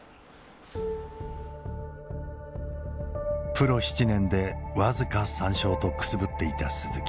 プロ７年で僅か３勝とくすぶっていた鈴木。